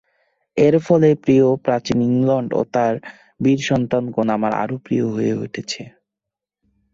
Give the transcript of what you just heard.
এর ফলে প্রিয় প্রাচীন ইংলণ্ড ও তার বীর সন্তানগণ আমার আরও প্রিয় হয়ে উঠেছে।